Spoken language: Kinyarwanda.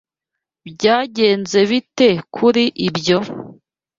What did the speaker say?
Byagenze bite kuri ibyo?